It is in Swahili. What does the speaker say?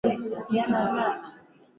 ni tokeo la mwingiliano baina ya wenye wa